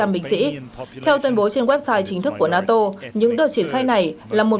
một trăm linh binh sĩ theo tuyên bố trên website chính thức của nato những đợt triển khai này là một